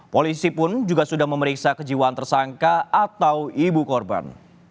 polisi pun juga sudah memeriksa kejiwaan tersangka atau ibu korban